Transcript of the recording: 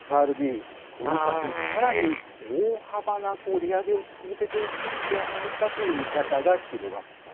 ＦＲＢ、この先さらに大幅な利上げを続けていくんではないかという見方が広がった。